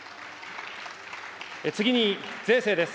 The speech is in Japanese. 次に税制です。